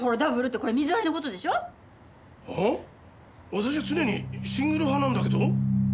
私は常にシングル派なんだけど？